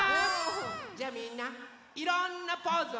じゃみんないろんなポーズをしてね。